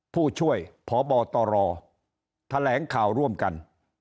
ผู้ช่วยพบตรแถลงข่าวร่วมกัน